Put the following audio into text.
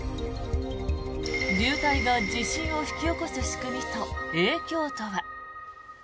流体が地震を引き起こす仕組みと影響とは。